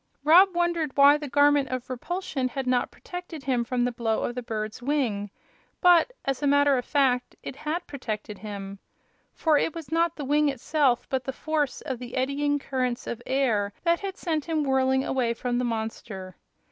Rob wondered why the Garment of Repulsion had not protected him from the blow of the bird's wing; but, as a matter of fact, it had protected him. For it was not the wing itself but the force of the eddying currents of air that had sent him whirling away from the monster.